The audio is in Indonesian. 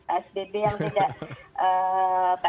psbb yang tidak